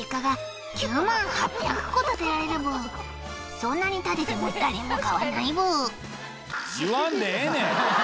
そんなに建てても誰も買わないブ